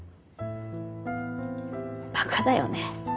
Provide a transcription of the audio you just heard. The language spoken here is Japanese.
バカだよね。